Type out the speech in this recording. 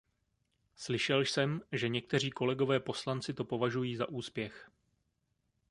Slyšel jsem, že někteří kolegové poslanci to považují za úspěch.